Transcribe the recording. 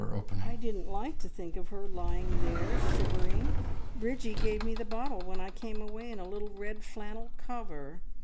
"I didn't like to think of her lying there shivering. Bridgie gave me the bottle when I came away in a little red flannel cover.